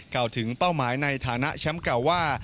กล่าวถึงเป้าหมายในฐานะแชมป์เก่าว่า